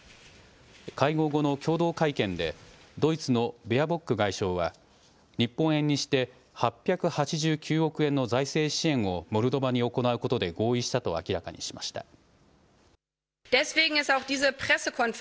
会合後の共同会見でドイツのベアボック外相は日本円にして８８９億円の財政支援をモルドバに行うことで合意したと明らかにしました。